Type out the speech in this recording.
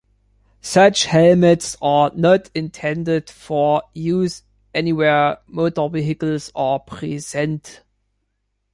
Such helmets are not intended for use anywhere motor vehicles are present.